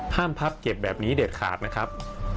พับเก็บแบบนี้เด็ดขาดนะครับ